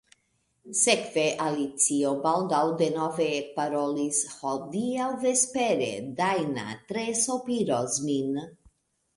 Sekve Alicio baldaŭ denove ekparolis: "Hodiaŭ vespere Dajna tre sopiros min."